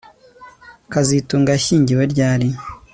kazitunga yashyingiwe ryari